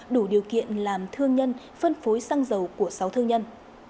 đủ điều kiện làm thương nhân phân phối xăng dầu của sáu thương nhân